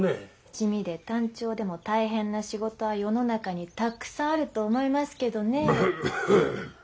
地味で単調でも大変な仕事は世の中にたくさんあると思いますけどね。